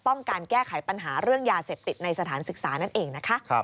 การแก้ไขปัญหาเรื่องยาเสพติดในสถานศึกษานั่นเองนะคะ